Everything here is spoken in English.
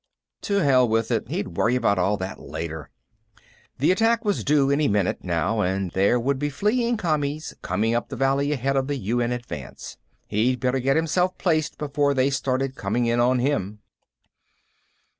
The hell with it; he'd worry about all that later. The attack was due any minute, now, and there would be fleeing Commies coming up the valley ahead, of the UN advance. He'd better get himself placed before they started coming in on him.